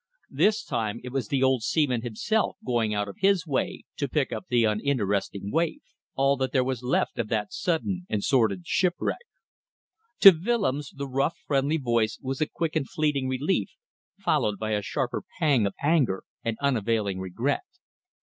This time it was the old seaman himself going out of his way to pick up the uninteresting waif all that there was left of that sudden and sordid shipwreck. To Willems, the rough, friendly voice was a quick and fleeting relief followed by a sharper pang of anger and unavailing regret.